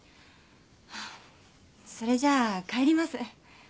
それじゃあ帰ります。